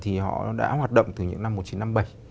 thì họ đã hoạt động từ những năm một nghìn chín trăm năm mươi bảy